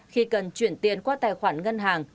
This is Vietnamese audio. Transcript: khi cần chuyển tiền qua tài khoản ngân hàng